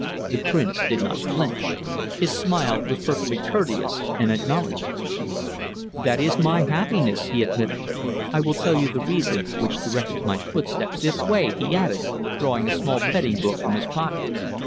The Prince did not flinch. His smile was perfectly courteous and acknowledging. "That is my happiness," he admitted. "I will tell you the reason which directed my footsteps this way," he added, drawing a small betting book from his pocket.